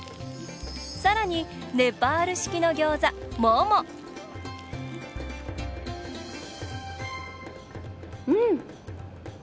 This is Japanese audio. さらに、ネパール式のギョーザモモうん！